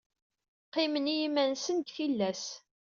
Qqimen i yiman-nsen deg tillas.